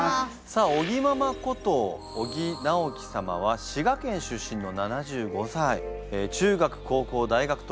さあ尾木ママこと尾木直樹様は滋賀県出身の７５歳。